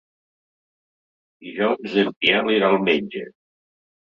Dijous en Biel irà al metge.